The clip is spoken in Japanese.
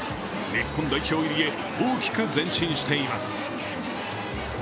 日本代表入りへ大きく前進しています。